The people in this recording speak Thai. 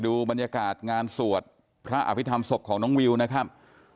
ดูบรรยากาศงานสวดพระอภิษฐรรมศพของน้องวิวนะครับ